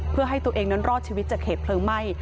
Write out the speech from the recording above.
เพื่อให้ตัวเองนั้นรอดชีวิตจากเหตุเพลิงไหม้